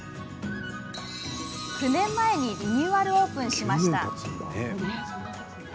９年前にリニューアルオープンしました。